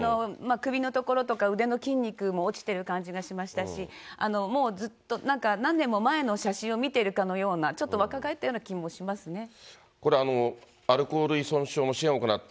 首のところとか腕の筋肉も落ちてる感じがしましたし、もうずっとなんか、何年も前の写真を見ているかのような、ちょっと若返ったような気これ、アルコール依存症の支援を行っ